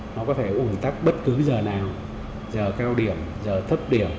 nó có thể ủn tắc bất cứ giờ nào giờ cao điểm giờ thấp điểm